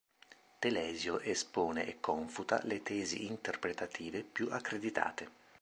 Telesio espone e confuta le tesi interpretative più accreditate.